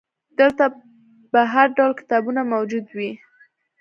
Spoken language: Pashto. دلته به هرډول کتابونه موجود وي.